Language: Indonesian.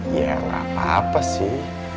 ya nggak apa apa sih